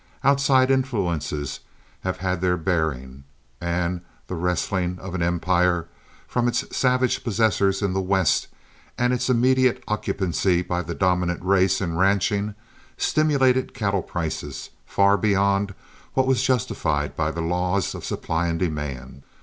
Outside influences have had their bearing, and the wresting of an empire from its savage possessors in the West, and its immediate occupancy by the dominant race in ranching, stimulated cattle prices far beyond what was justified by the laws of supply and demand.